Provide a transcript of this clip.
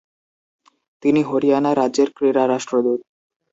তিনি হরিয়ানা রাজ্যের ক্রীড়া রাষ্ট্রদূত।